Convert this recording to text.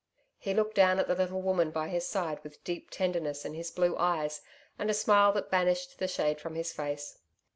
He looked down at the little woman by his side with deep tenderness in his blue eyes and a smile that banished the shade from his face.